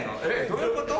どういうこと？